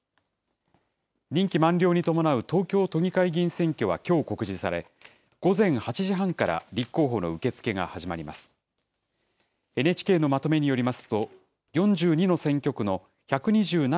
任期満了に伴う東京都議会議員選挙はきょう告示され、午前８時半から立候補の受け付けが始まります。